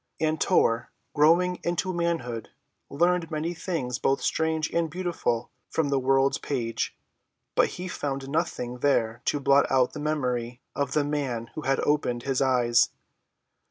And Tor, growing into manhood, learned many things both strange and beautiful from the world's page; but he found nothing there to blot out the memory of the Man who had opened his eyes.